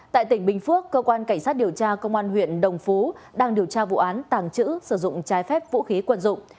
tại tỉnh bình phước cơ quan cảnh sát điều tra công an huyện đồng phú đang điều tra vụ án tàng trữ sử dụng trái phép vũ khí quần dụng